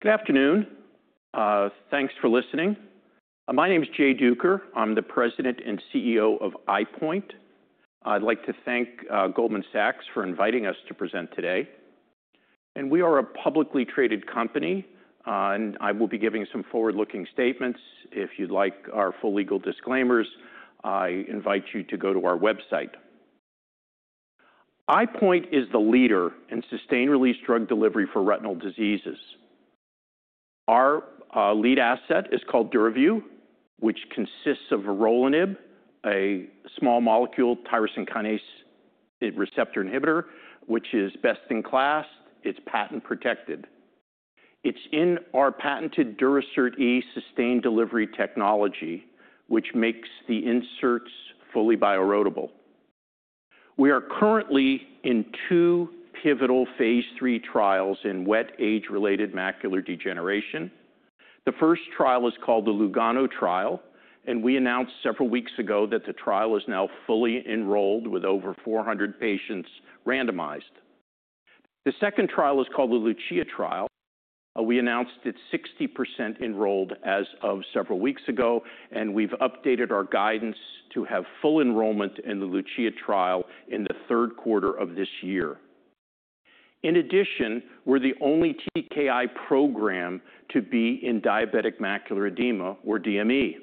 Good afternoon. Thanks for listening. My name is Jay Duker. I'm the President and CEO of EyePoint. I'd like to thank Goldman Sachs for inviting us to present today. We are a publicly traded company, and I will be giving some forward-looking statements. If you'd like our full legal disclaimers, I invite you to go to our website. EyePoint is the leader in sustained-release drug delivery for retinal diseases. Our lead asset is called DURAVYU, which consists of Vorolanib, a small molecule tyrosine kinase receptor inhibitor, which is best in class. It's patent protected. It's in our patented Durasert E sustained delivery technology, which makes the inserts fully bioerodible. We are currently in two pivotal phase III trials in wet age-related macular degeneration. The first trial is called the LUGANO Trial, and we announced several weeks ago that the trial is now fully enrolled with over 400 patients randomized. The second trial is called the LUCIA Trial. We announced it's 60% enrolled as of several weeks ago, and we've updated our guidance to have full enrollment in the LUCIA Trial in the third quarter of this year. In addition, we're the only TKI program to be in diabetic macular edema, or DME.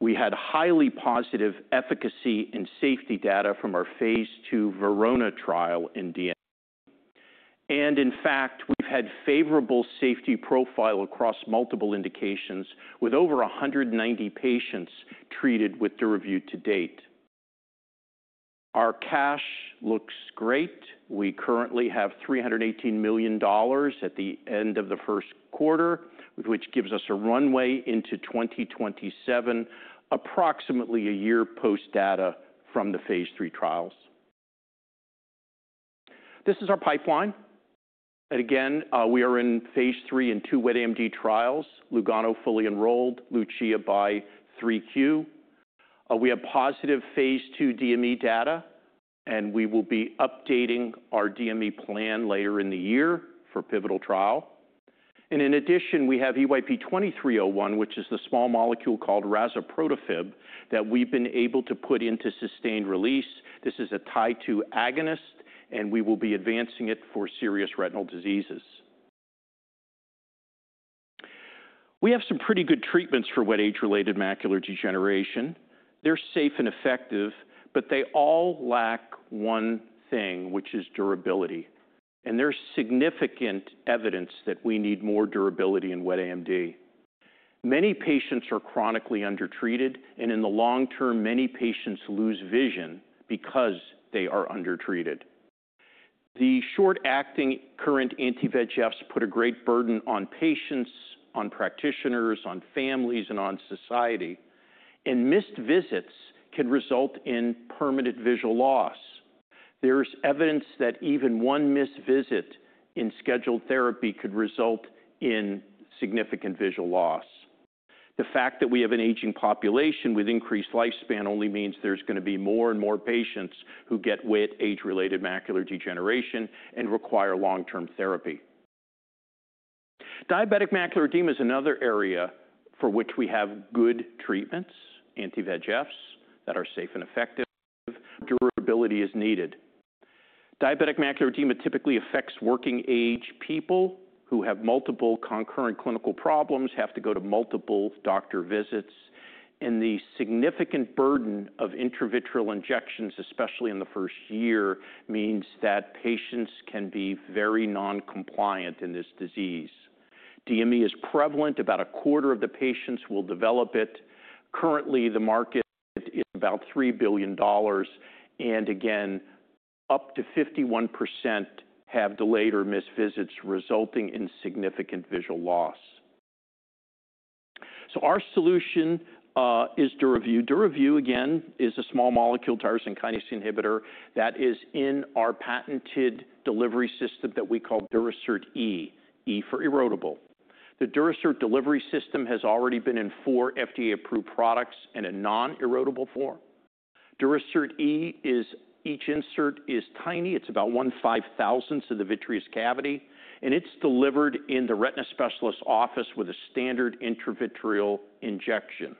We had highly positive efficacy and safety data from our phase II VERONA trial in DME. In fact, we've had favorable safety profile across multiple indications with over 190 patients treated with DURAVYU to date. Our cash looks great. We currently have $318 million at the end of the first quarter, which gives us a runway into 2027, approximately a year post data from the phase III trials. This is our pipeline. Again, we are in phase III in two wet AMD trials, LUGANO fully enrolled, LUCIA by 3Q. We have positive phase II DME data, and we will be updating our DME plan later in the year for pivotal trial. In addition, we have EYP-2301, which is the small molecule called razuprotafib that we've been able to put into sustained release. This is a type two agonist, and we will be advancing it for serious retinal diseases. We have some pretty good treatments for wet age-related macular degeneration. They're safe and effective, but they all lack one thing, which is durability. There is significant evidence that we need more durability in wet AMD. Many patients are chronically undertreated, and in the long term, many patients lose vision because they are undertreated. The short-acting current anti-VEGFs put a great burden on patients, on practitioners, on families, and on society. Missed visits can result in permanent visual loss. There's evidence that even one missed visit in scheduled therapy could result in significant visual loss. The fact that we have an aging population with increased lifespan only means there's going to be more and more patients who get wet age-related macular degeneration and require long-term therapy. Diabetic macular edema is another area for which we have good treatments, anti-VEGFs that are safe and effective. Durability is needed. Diabetic macular edema typically affects working-age people who have multiple concurrent clinical problems, have to go to multiple doctor visits. The significant burden of intravitreal injections, especially in the first year, means that patients can be very non-compliant in this disease. DME is prevalent. About a quarter of the patients will develop it. Currently, the market is about $3 billion. Up to 51% have delayed or missed visits resulting in significant visual loss. Our solution is DURAVYU. DURAVYU, again, is a small molecule tyrosine kinase inhibitor that is in our patented delivery system that we call Durasert E, E for erodible. The Durasert delivery system has already been in four FDA-approved products in a non-erodible form. Durasert E is, each insert is tiny. It's about one five-thousandth of the vitreous cavity. It's delivered in the retina specialist's office with a standard intravitreal injection.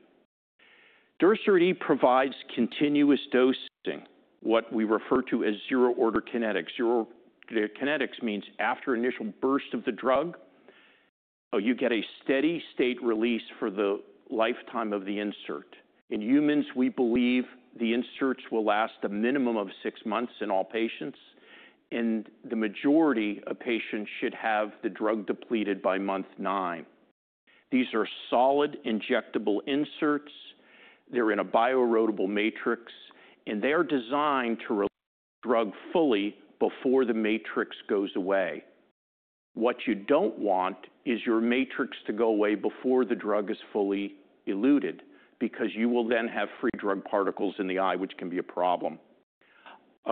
Durasert E provides continuous dosing, what we refer to as zero-order kinetics. Zero-order kinetics means after initial burst of the drug, you get a steady state release for the lifetime of the insert. In humans, we believe the inserts will last a minimum of six months in all patients. The majority of patients should have the drug depleted by month nine. These are solid injectable inserts. They're in a biorotable matrix, and they are designed to release the drug fully before the matrix goes away. What you don't want is your matrix to go away before the drug is fully eluted because you will then have free drug particles in the eye, which can be a problem.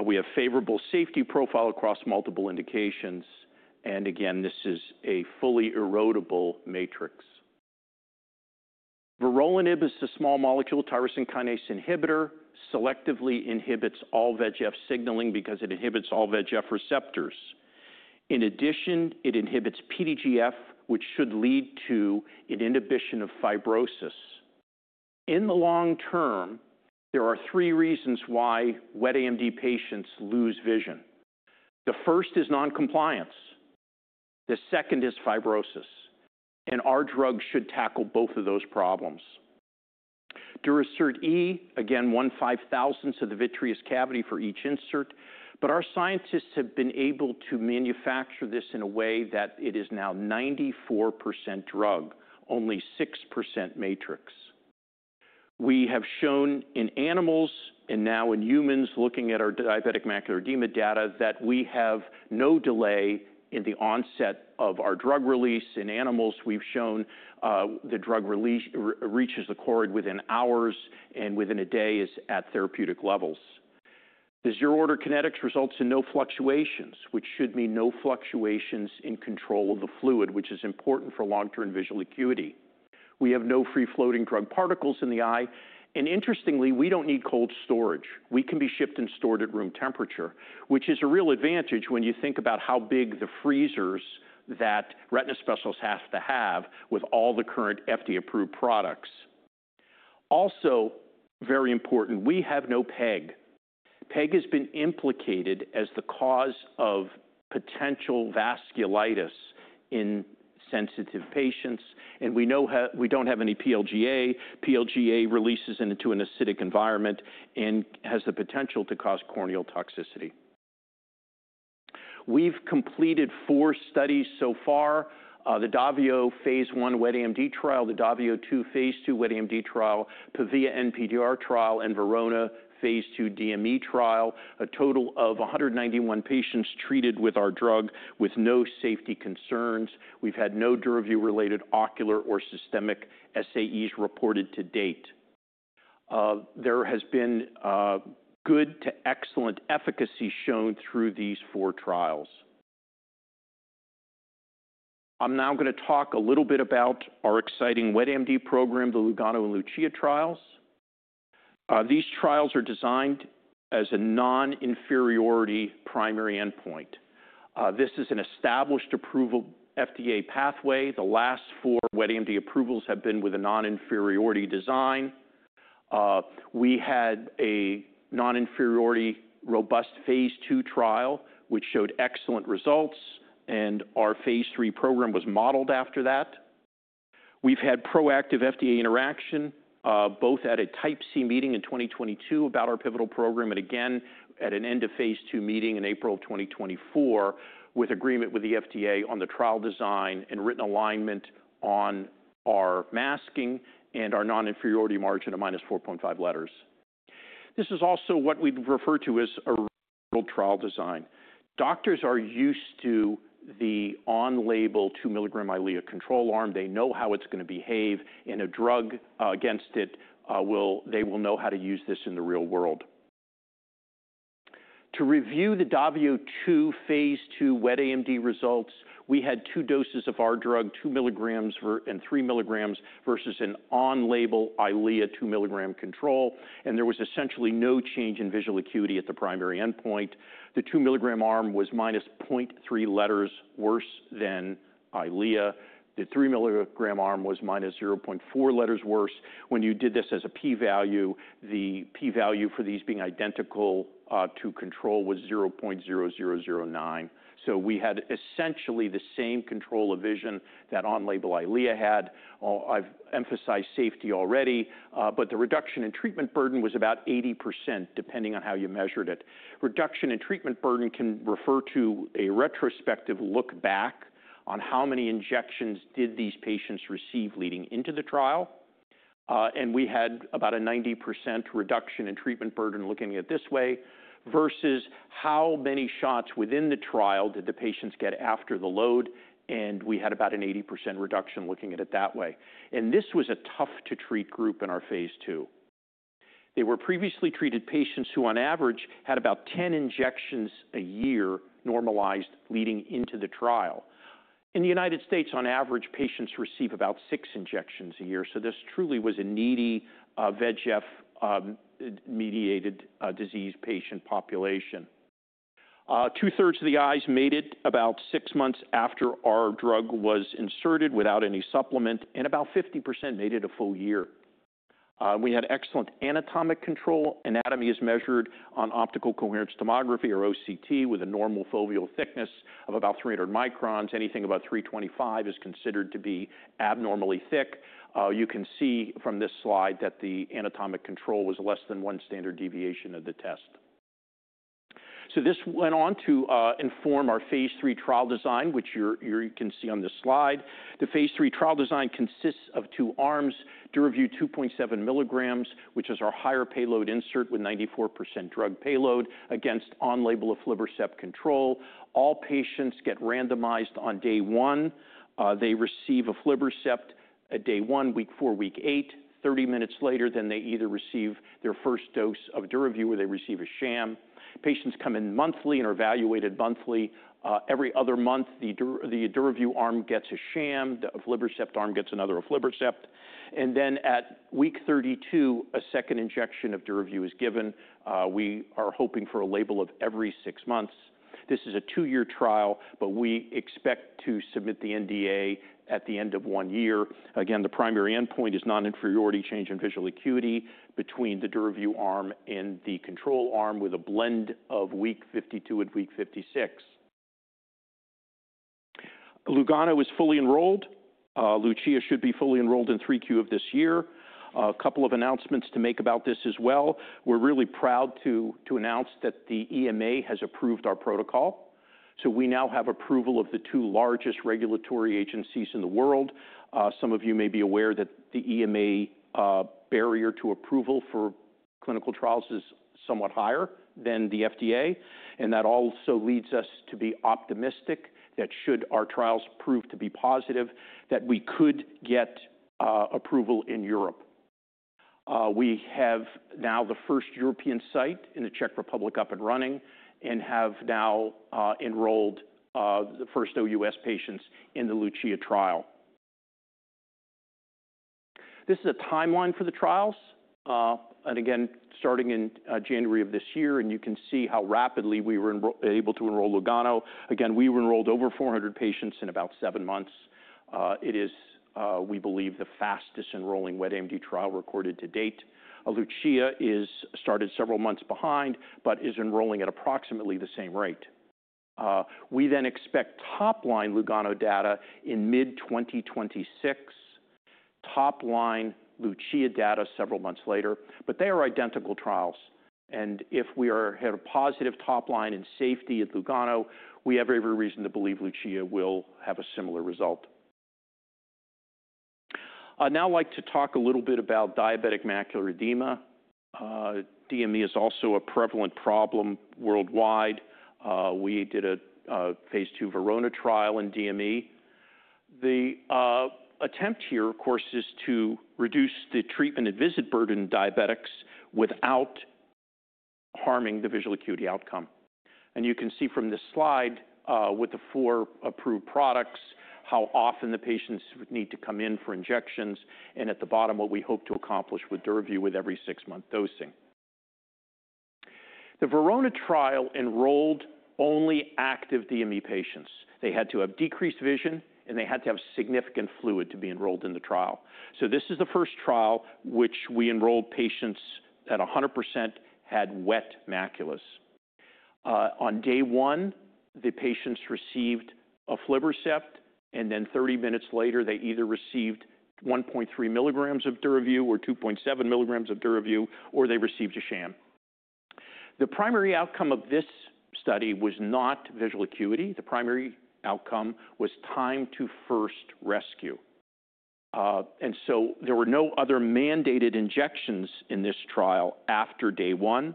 We have a favorable safety profile across multiple indications. Again, this is a fully erodible matrix. Vorolanib is a small molecule tyrosine kinase inhibitor. It selectively inhibits all VEGF signaling because it inhibits all VEGF receptors. In addition, it inhibits PDGF, which should lead to an inhibition of fibrosis. In the long term, there are three reasons why wet AMD patients lose vision. The first is non-compliance. The second is fibrosis. Our drug should tackle both of those problems. Durasert E, again, one five-thousandth of the vitreous cavity for each insert. Our scientists have been able to manufacture this in a way that it is now 94% drug, only 6% matrix. We have shown in animals and now in humans, looking at our diabetic macular edema data, that we have no delay in the onset of our drug release. In animals, we've shown the drug reaches the choroid within hours and within a day is at therapeutic levels. The zero-order kinetics results in no fluctuations, which should mean no fluctuations in control of the fluid, which is important for long-term visual acuity. We have no free-floating drug particles in the eye. Interestingly, we don't need cold storage. We can be shipped and stored at room temperature, which is a real advantage when you think about how big the freezers that retina specialists have to have with all the current FDA-approved products. Also, very important, we have no PEG. PEG has been implicated as the cause of potential vasculitis in sensitive patients. We do not have any PLGA. PLGA releases into an acidic environment and has the potential to cause corneal toxicity. We have completed four studies so far: the DAVIO phase I wet AMD trial, the DAVIO two phase II wet AMD trial, PAVIA NPDR trial, and VERONA phase II DME trial. A total of 191 patients treated with our drug with no safety concerns. We have had no DURAVYU-related ocular or systemic SAEs reported to date. There has been good to excellent efficacy shown through these four trials. I am now going to talk a little bit about our exciting wet AMD program, the LUGANO and LUCIA trials. These trials are designed as a non-inferiority primary endpoint. This is an established approval FDA pathway. The last four wet AMD approvals have been with a non-inferiority design. We had a non-inferiority robust phase II trial, which showed excellent results. Our phase III program was modeled after that. We have had proactive FDA interaction, both at a type C meeting in 2022 about our pivotal program and again at an end of phase II meeting in April of 2024, with agreement with the FDA on the trial design and written alignment on our masking and our non-inferiority margin of -4.5 letters. This is also what we refer to as a real trial design. Doctors are used to the on-label 2 mg EYLEA control arm. They know how it is going to behave. A drug against it, they will know how to use this in the real world. To review the DAVIO two phase II wet AMD results, we had two doses of our drug, 2 mg and 3 mg versus an on-label EYLEA 2 mg control. There was essentially no change in visual acuity at the primary endpoint. The 2 milligram arm was -0.3 letters worse than EYLEA. The 3 milligram arm was -0.4 letters worse. When you did this as a p-value, the p-value for these being identical to control was 0.0009. We had essentially the same control of vision that on-label EYLEA had. I've emphasized safety already, but the reduction in treatment burden was about 80%, depending on how you measured it. Reduction in treatment burden can refer to a retrospective look back on how many injections did these patients receive leading into the trial. We had about a 90% reduction in treatment burden looking at it this way versus how many shots within the trial did the patients get after the load. We had about an 80% reduction looking at it that way. This was a tough-to-treat group in our phase II. They were previously treated patients who, on average, had about 10 injections a year normalized leading into the trial. In the United States, on average, patients receive about six injections a year. This truly was a needy VEGF-mediated disease patient population. Two-thirds of the eyes made it about six months after our drug was inserted without any supplement, and about 50% made it a full year. We had excellent anatomic control. Anatomy is measured on optical coherence tomography, or OCT, with a normal foveal thickness of about 300 microns. Anything above 325 is considered to be abnormally thick. You can see from this slide that the anatomic control was less than one standard deviation of the test. This went on to inform our phase III trial design, which you can see on this slide. The phase III trial design consists of two arms: DURAVYU 2.7 mg, which is our higher payload insert with 94% drug payload, against on-label aflibercept control. All patients get randomized on day one. They receive aflibercept at day one, week four, week eight. 30 minutes later, they either receive their first dose of DURAVYU or they receive a sham. Patients come in monthly and are evaluated monthly. Every other month, the DURAVYU arm gets a sham. The aflibercept arm gets another aflibercept. At week 32, a second injection of DURAVYU is given. We are hoping for a label of every six months. This is a two-year trial, but we expect to submit the NDA at the end of one year. Again, the primary endpoint is non-inferiority change in visual acuity between the DURAVYU arm and the control arm with a blend of week 52 and week 56. LUGANO is fully enrolled. LUCIA should be fully enrolled in 3Q of this year. A couple of announcements to make about this as well. We're really proud to announce that the EMA has approved our protocol. So we now have approval of the two largest regulatory agencies in the world. Some of you may be aware that the EMA barrier to approval for clinical trials is somewhat higher than the FDA. That also leads us to be optimistic that should our trials prove to be positive, we could get approval in Europe. We have now the first European site in the Czech Republic up and running and have now enrolled the first OUS patients in the LUCIA trial. This is a timeline for the trials. Again, starting in January of this year, and you can see how rapidly we were able to enroll LUGANO. Again, we were enrolled over 400 patients in about seven months. It is, we believe, the fastest enrolling wet AMD trial recorded to date. LUCIA started several months behind but is enrolling at approximately the same rate. We expect top-line LUGANO data in mid-2026, top-line LUCIA data several months later. They are identical trials. If we have a positive top-line in safety at LUGANO, we have every reason to believe LUCIA will have a similar result. I'd now like to talk a little bit about diabetic macular edema. DME is also a prevalent problem worldwide. We did a phase II VERONA trial in DME. The attempt here, of course, is to reduce the treatment and visit burden in diabetics without harming the visual acuity outcome. You can see from this slide with the four approved products how often the patients need to come in for injections. At the bottom, what we hope to accomplish with DURAVYU with every six-month dosing. The VERONA trial enrolled only active DME patients. They had to have decreased vision, and they had to have significant fluid to be enrolled in the trial. This is the first trial which we enrolled patients that 100% had wet maculas. On day one, the patients received aflibercept. Then 30 minutes later, they either received 1.3 mg of DURAVYU or 2.7 mg of DURAVYU, or they received a sham. The primary outcome of this study was not visual acuity. The primary outcome was time to first rescue. There were no other mandated injections in this trial after day one.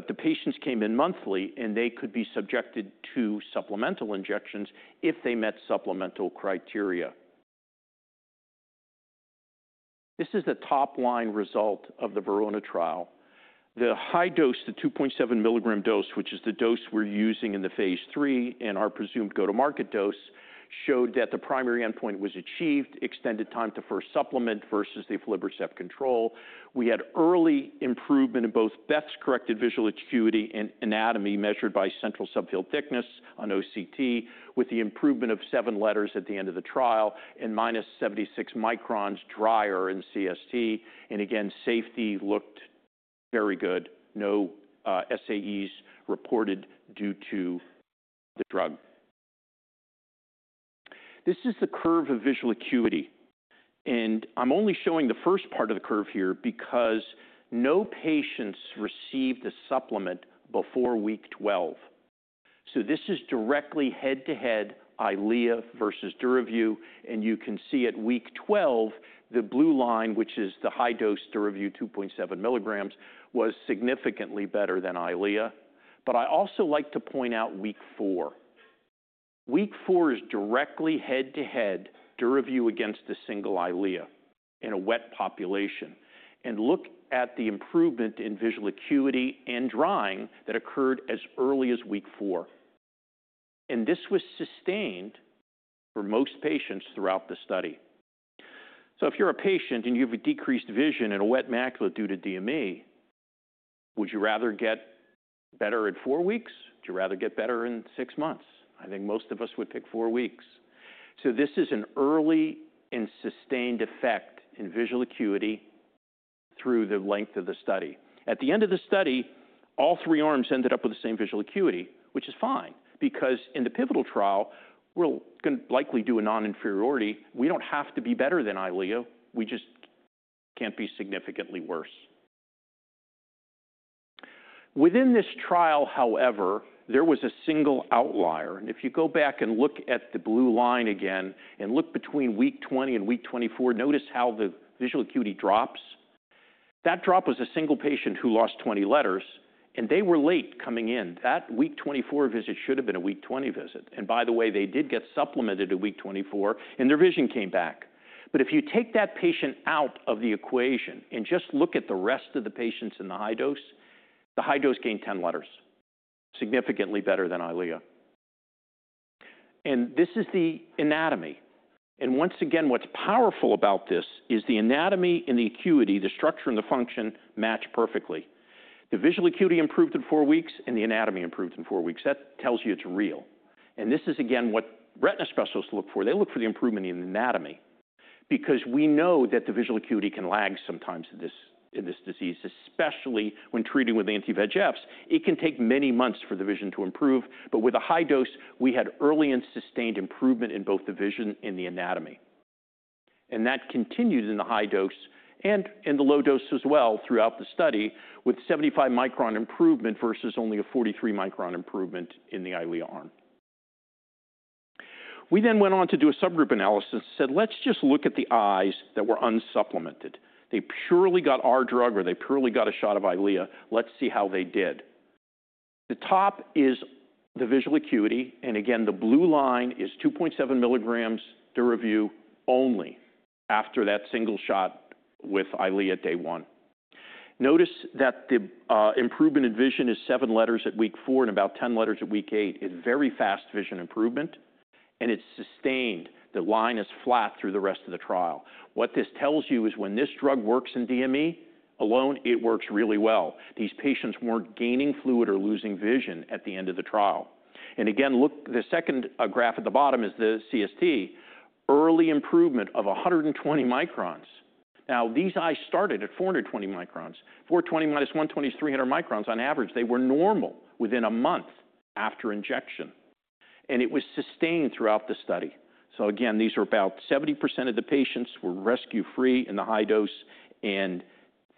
The patients came in monthly, and they could be subjected to supplemental injections if they met supplemental criteria. This is the top-line result of the VERONA trial. The high dose, the 2.7 mg dose, which is the dose we're using in the phase III and our presumed go-to-market dose, showed that the primary endpoint was achieved, extended time to first supplement versus the aflibercept control. We had early improvement in both best-corrected visual acuity and anatomy measured by central subfield thickness on OCT, with the improvement of seven letters at the end of the trial and -76 microns drier in CST. Again, safety looked very good. No SAEs reported due to the drug. This is the curve of visual acuity. I'm only showing the first part of the curve here because no patients received the supplement before week 12. This is directly head-to-head EYLEA versus DURAVYU. You can see at week 12, the blue line, which is the high-dose DURAVYU 2.7 mg, was significantly better than EYLEA. I also like to point out week four. Week four is directly head-to-head DURAVYU against a single EYLEA in a wet population. Look at the improvement in visual acuity and drying that occurred as early as week four. This was sustained for most patients throughout the study. If you're a patient and you have decreased vision and a wet macula due to DME, would you rather get better at four weeks? Would you rather get better in six months? I think most of us would pick four weeks. This is an early and sustained effect in visual acuity through the length of the study. At the end of the study, all three arms ended up with the same visual acuity, which is fine because in the pivotal trial, we'll likely do a non-inferiority. We don't have to be better than EYLEA. We just can't be significantly worse. Within this trial, however, there was a single outlier. If you go back and look at the blue line again and look between week 20 and week 24, notice how the visual acuity drops. That drop was a single patient who lost 20 letters. They were late coming in. That week 24 visit should have been a week 20 visit. By the way, they did get supplemented at week 24, and their vision came back. If you take that patient out of the equation and just look at the rest of the patients in the high dose, the high dose gained 10 letters, significantly better than EYLEA. This is the anatomy. Once again, what's powerful about this is the anatomy and the acuity, the structure and the function match perfectly. The visual acuity improved in four weeks, and the anatomy improved in four weeks. That tells you it's real. This is, again, what retina specialists look for. They look for the improvement in anatomy because we know that the visual acuity can lag sometimes in this disease, especially when treating with anti-VEGFs. It can take many months for the vision to improve. With a high dose, we had early and sustained improvement in both the vision and the anatomy. That continued in the high dose and in the low dose as well throughout the study with 75 micron improvement versus only a 43 micron improvement in the EYLEA arm. We then went on to do a subgroup analysis and said, "Let's just look at the eyes that were unsupplemented. They purely got our drug, or they purely got a shot of EYLEA. Let's see how they did." The top is the visual acuity. Again, the blue line is 2.7 mg DURAVYU only after that single shot with EYLEA day one. Notice that the improvement in vision is seven letters at week four and about 10 letters at week eight. It is very fast vision improvement. It is sustained. The line is flat through the rest of the trial. What this tells you is when this drug works in DME alone, it works really well. These patients were not gaining fluid or losing vision at the end of the trial. Again, look, the second graph at the bottom is the CST, early improvement of 120 microns. Now, these eyes started at 420 microns. 420 - 120 is 300 microns on average. They were normal within a month after injection. It was sustained throughout the study. Again, about 70% of the patients were rescue-free in the high dose and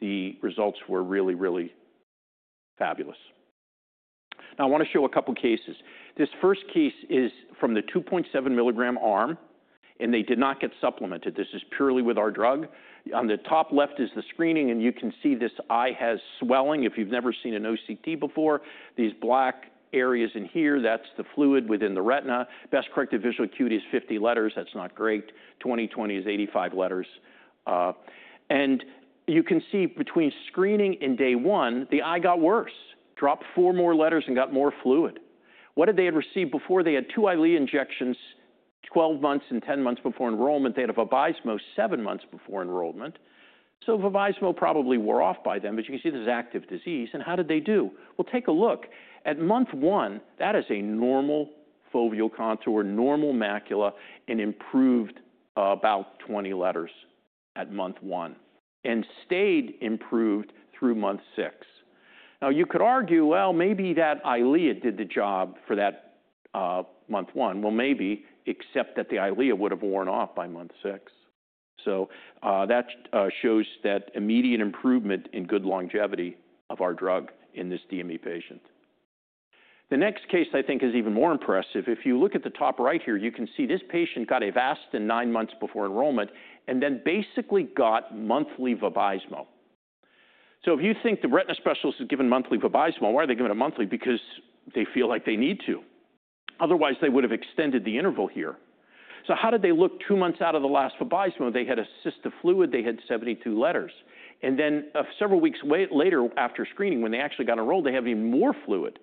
the results were really, really fabulous. Now, I want to show a couple of cases. This first case is from the 2.7 mg arm, and they did not get supplemented. This is purely with our drug. On the top left is the screening. You can see this eye has swelling. If you have never seen an OCT before, these black areas in here, that is the fluid within the retina. Best-corrected visual acuity is 50 letters. That's not great. 20/20 is 85 letters. You can see between screening and day one, the eye got worse, dropped four more letters, and got more fluid. What did they receive before? They had two EYLEA injections 12 months and 10 months before enrollment. They had a Vabysmo seven months before enrollment. Vabysmo probably wore off by then. You can see this is active disease. How did they do? Take a look. At month one, that is a normal foveal contour, normal macula, and improved about 20 letters at month one and stayed improved through month six. You could argue, "Maybe that EYLEA did the job for that month one." Maybe, except that the EYLEA would have worn off by month six. That shows that immediate improvement in good longevity of our drug in this DME patient. The next case, I think, is even more impressive. If you look at the top right here, you can see this patient got Avastin nine months before enrollment and then basically got monthly Vabysmo. If you think the retina specialist is giving monthly Vabysmo, why are they giving it monthly? Because they feel like they need to. Otherwise, they would have extended the interval here. How did they look two months out of the last Vabysmo? They had a cyst of fluid. They had 72 letters. Several weeks later, after screening, when they actually got enrolled, they had even more fluid.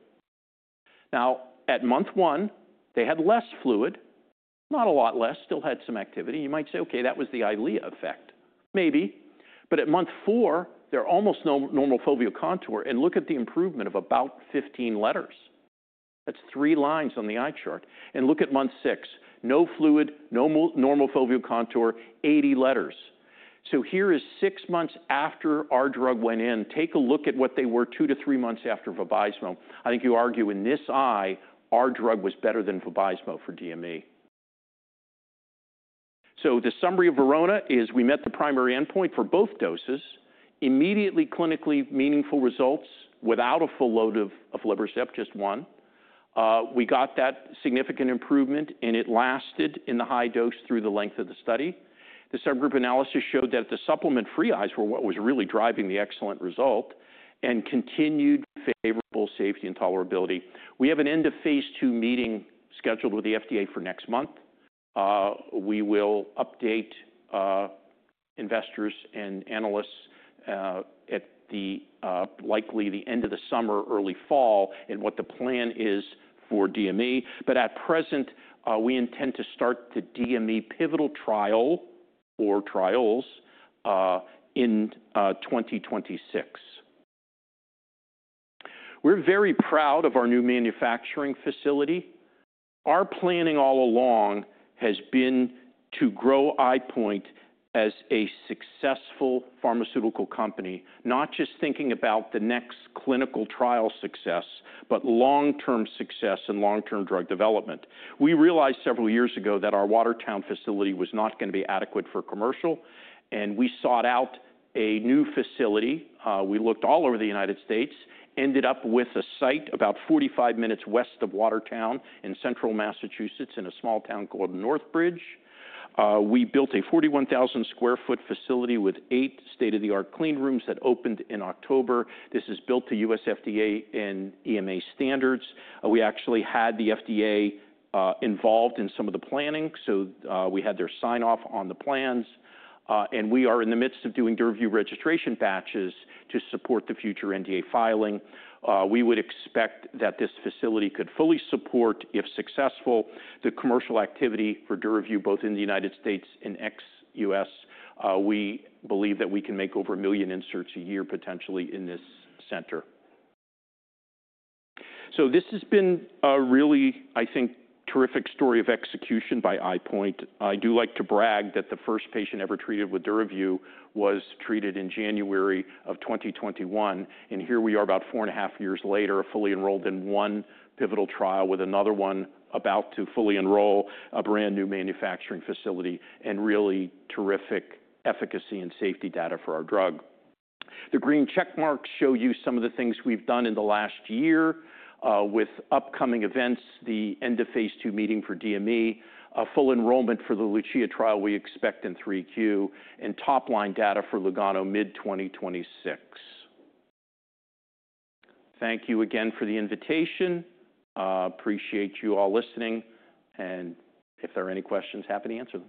At month one, they had less fluid, not a lot less, still had some activity. You might say, "Okay, that was the EYLEA effect." Maybe. At month four, there's almost no normal foveal contour. Look at the improvement of about 15 letters. That's three lines on the eye chart. Look at month six. No fluid, no normal foveal contour, 80 letters. Here is six months after our drug went in. Take a look at what they were two to three months after Vabysmo. I think you argue in this eye, our drug was better than Vabysmo for DME. The summary of VERONA is we met the primary endpoint for both doses, immediately clinically meaningful results without a full load of aflibercept, just one. We got that significant improvement, and it lasted in the high dose through the length of the study. The subgroup analysis showed that the supplement-free eyes were what was really driving the excellent result and continued favorable safety and tolerability. We have an end-of-phase II meeting scheduled with the FDA for next month. We will update investors and analysts at likely the end of the summer, early fall, and what the plan is for DME. At present, we intend to start the DME pivotal trial or trials in 2026. We're very proud of our new manufacturing facility. Our planning all along has been to grow EyePoint as a successful pharmaceutical company, not just thinking about the next clinical trial success, but long-term success and long-term drug development. We realized several years ago that our Watertown facility was not going to be adequate for commercial. We sought out a new facility. We looked all over the United States, ended up with a site about 45 minutes west of Watertown in central Massachusetts in a small town called Northbridge. We built a 41,000 sq ft facility with eight state-of-the-art clean rooms that opened in October. This is built to U.S. FDA and EMA standards. We actually had the FDA involved in some of the planning. We had their sign-off on the plans. We are in the midst of doing DURAVYU registration batches to support the future NDA filing. We would expect that this facility could fully support, if successful, the commercial activity for DURAVYU both in the United States and ex-U.S. We believe that we can make over 1 million inserts a year potentially in this center. This has been a really, I think, terrific story of execution by EyePoint. I do like to brag that the first patient ever treated with DURAVYU was treated in January of 2021. Here we are about four and a half years later, fully enrolled in one pivotal trial with another one about to fully enroll, a brand new manufacturing facility, and really terrific efficacy and safety data for our drug. The green checkmarks show you some of the things we have done in the last year with upcoming events, the end-of-phase II meeting for DME, full enrollment for the LUCIA Trial we expect in 3Q, and top-line data for LUGANO mid-2026. Thank you again for the invitation. Appreciate you all listening. If there are any questions, happy to answer.